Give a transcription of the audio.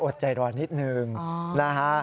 อดใจร้อนนิดหนึ่งนะฮะ